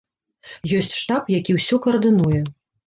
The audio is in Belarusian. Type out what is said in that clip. Ёсць штаб, які ўсё каардынуе.